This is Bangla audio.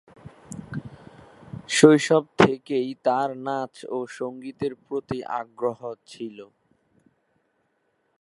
শৈশব থেকেই তার নাচ ও সংগীতের প্রতি আগ্রহ ছিল।